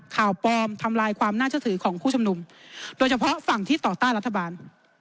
ข่าวปลอมทำลายความน่าเชื่อถือของผู้ชมนุมโดยเฉพาะฝั่งที่ต่อต้านรัฐบาล